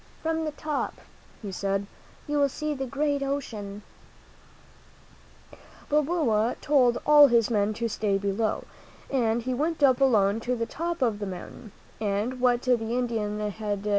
From the top," he said, "you will see the great ocean." Balboa told all his men to stay below, and he went up alone to the top of the mountain ; and luiimu»» p^'^'i^ ■/' ^r.